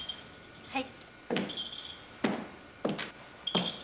はい。